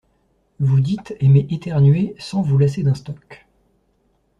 Vous dites aimer éternuer sans vous lasser d'un stock.